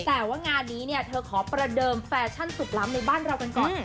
แต่ว่างานนี้เนี่ยเธอขอประเดิมแฟชั่นสุดล้ำในบ้านเรากันก่อน